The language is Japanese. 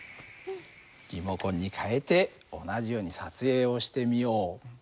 リモコンに変えて同じように撮影をしてみよう。